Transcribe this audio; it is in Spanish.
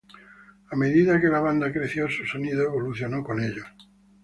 A medida que la banda creció, su sonido evolucionó con ellos.